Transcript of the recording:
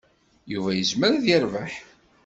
Yuba yezmer ad yerbeḥ.